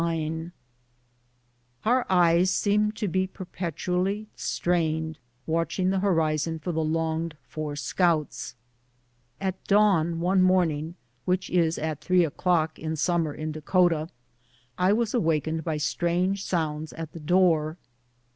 190 BOOTS AND SADDLES. • Some of our eyes seemed to be perpetually strained, watching the horizon for the longed for scoots. At dawn one morning — which is at three o'clock in summer in Dakota — I was awakened by strange sounds at the door.